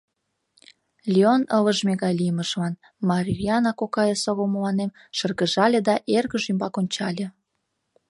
Леон ылыжме гай лиймыжлан Марйаана кока эсогыл мыланем шыргыжале да эргыж ӱмбак ончале.